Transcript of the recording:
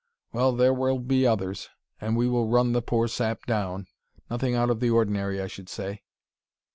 "Well, there will be others, and we will run the poor sap down. Nothing out of the ordinary I should say."